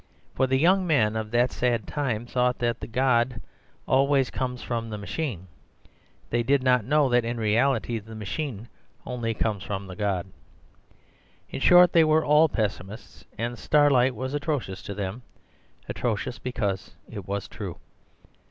For the young men of that sad time thought that the god always comes from the machine. They did not know that in reality the machine only comes from the god. In short, they were all pessimists, and starlight was atrocious to them— atrocious because it was true.